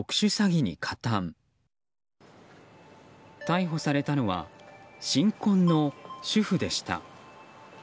逮捕されたのは新婚の主婦でした。